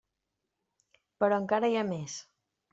Però encara hi ha més.